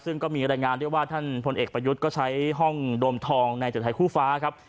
ซึ่งก็มีรายงานด้วยว่าท่านพลเอกประยุทธ์ก็ใช้ห้องโดมทองในจุดไทยคู่ฟ้าครับ